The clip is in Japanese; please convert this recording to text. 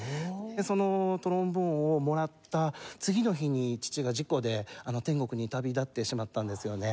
そのトロンボーンをもらった次の日に父が事故で天国に旅立ってしまったんですよね。